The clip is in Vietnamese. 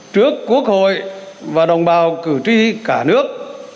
trước quốc hội và đồng bào cử tri cả nước